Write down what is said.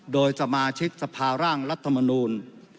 โดยสมาชิกสภาร่างรัฐมนูล